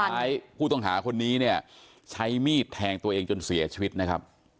สุดท้ายผู้ต้องหาคนนี้เนี่ยใช้มีดแทงตัวเองจนเสียชีวิตนะครับ